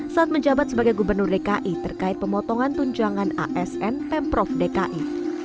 saat menjabat sebagai gubernur dki terkait pemotongan tunjangan asn pemprov dki